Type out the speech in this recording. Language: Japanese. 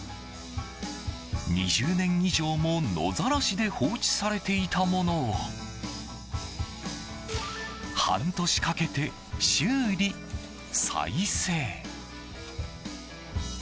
２０年以上も野ざらしで放置されていたものを半年かけて修理・再生。